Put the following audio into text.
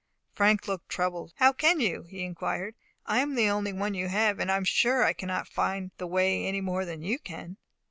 Frank looked troubled. "How can you?" he inquired. "I am the only one you have; and I am sure I cannot find the way any more than you can."